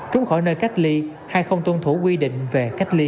trúng khỏi nơi cách ly hay không tôn thủ quy định về cách ly